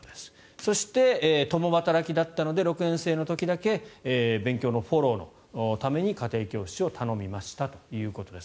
そして、共働きだったので６年生の時だけ勉強のフォローのために家庭教師を頼みましたということです。